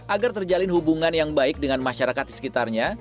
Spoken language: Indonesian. agar terjalin hubungan yang baik dengan masyarakat di sekitarnya